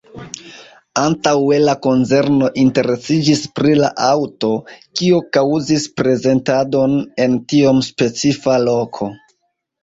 Antaŭe la konzerno interesiĝis pri la aŭto, kio kaŭzis prezentadon en tiom specifa loko.